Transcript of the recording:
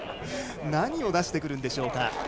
何を出してくるんでしょう。